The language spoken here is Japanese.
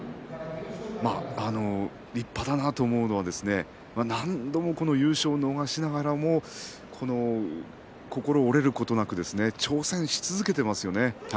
立派だなと思うのは何度も優勝を逃しながらも心折れることなく挑戦し続けてますよね。